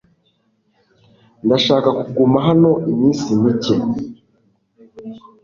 Ndashaka kuguma hano iminsi mike .